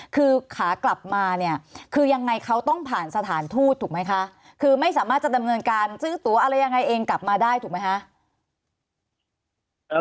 คือขากลับมาเนี่ยคือยังไงเขาต้องผ่านสถานทูตถูกไหมคะคือไม่สามารถจะดำเนินการซื้อตัวอะไรยังไงเองกลับมาได้ถูกไหมคะ